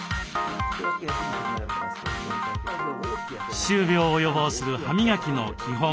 歯周病を予防する歯磨きの基本